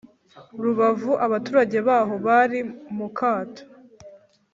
Rubavu abaturage baho bari mukato